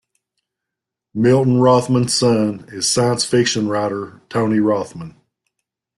Milton Rothman's son is science fiction writer Tony Rothman.